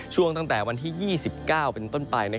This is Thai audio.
ตั้งแต่วันที่๒๙เป็นต้นไป